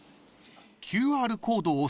ＱＲコード。